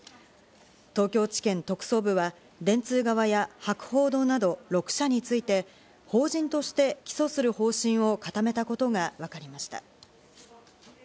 東京地検特捜部は電通側や博報堂など６社について法人として起訴する方針を固めたことがわかりました。